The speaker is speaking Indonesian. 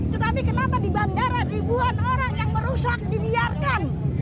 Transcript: tetapi kenapa di bandara ribuan orang yang merusak dibiarkan